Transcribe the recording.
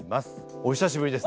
お久しぶりです。